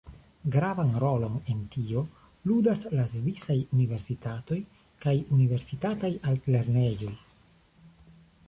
Gravan rolon en tio ludas la svisaj Universitatoj kaj universitataj altlernejoj.